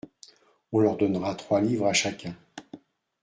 On leur donnera trois livres à chacun.